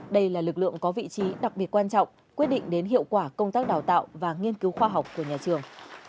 đây là lực lượng có vị trí đặc biệt quan trọng quyết định đến hiệu quả công tác đào tạo và nghiên cứu khoa học của nhà trường